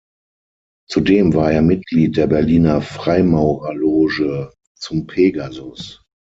Zudem war er Mitglied der Berliner Freimaurerloge "Zum Pegasus".